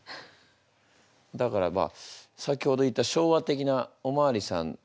だからまあ先ほど言った昭和的なお巡りさん。